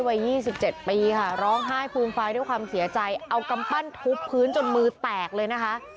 วัย๒๗ปีค่ะร้องไห้ฟูมฟายด้วยความเสียใจเอากำปั้นทุบพื้นจนมือแตกเลยนะคะ